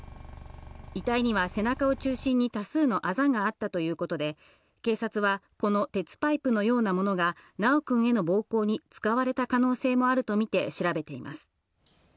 遺体には背中を中心に多数のあざがあったということで、警察はこの鉄パイプのようなものが修くんへの暴行に使われた可能性もあるとみて調べています。